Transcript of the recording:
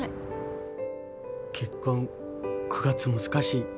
結婚９月難しい。